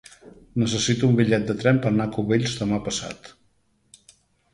Necessito un bitllet de tren per anar a Cubells demà passat.